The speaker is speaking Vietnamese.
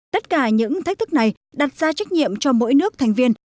tất cả những thách thức này đặt ra trách nhiệm cho mỗi nước thành viên